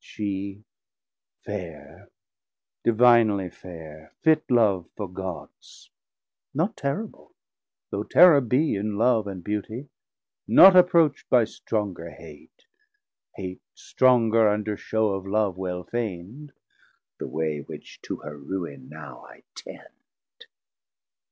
Shee fair, divinely fair, fit Love for Gods, Not terrible, though terrour be in Love 490 And beautie, not approacht by stronger hate, Hate stronger, under shew of Love well feign'd, The way which to her ruin now I tend.